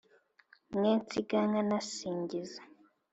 mwe nsiga nkanasingiza